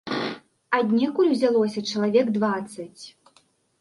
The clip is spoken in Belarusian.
Аднекуль узялося чалавек дваццаць.